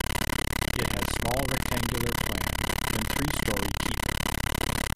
It has small rectangular plan and three storey keep.